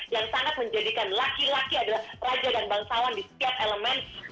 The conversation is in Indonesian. yang sangat menjadikan laki laki adalah raja dan bangsawan di setiap elemen